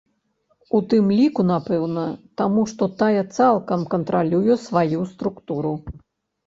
У тым ліку, напэўна, таму, што тая цалкам кантралюе сваю структуру.